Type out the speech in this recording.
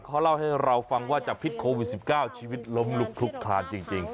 เขาเล่าให้เราฟังว่าจากพิษโควิด๑๙ชีวิตล้มลุกคลุกคลานจริง